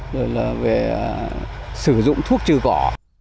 rồi là về sử dụng thuốc trừ cỏ